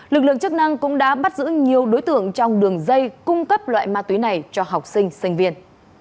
lực lượng chức năng cũng đã bắt giữ nhiều đối tượng trong đường dây cung cấp loại ma túy này cho học sinh sinh viên